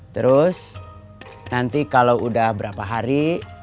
terus nanti kalau udah berapa hari